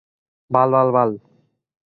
বাল বাল বাল।